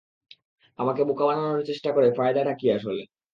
আমাকে বোকা বানানোর চেষ্টা করে ফায়দাটা কী আসলে?